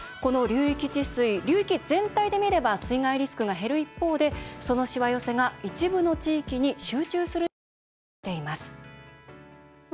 流域全体で見れば水害リスクが減る一方でそのしわ寄せが一部の地域に集中する事態も起きています。